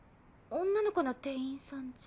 女の子の店員さんじゃ。